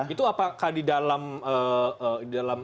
itu apakah di dalam